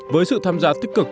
với sự tham gia tích cực